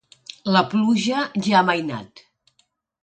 La pluja ja ha amainat.